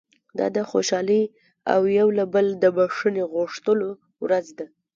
دا د خوشالۍ او یو له بله د بښنې غوښتلو ورځ ده.